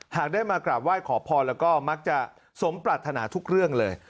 หากได้มากราบไหว้ขอพรแล้วก็มักจะสมปรัฐนาทุกเรื่องเลย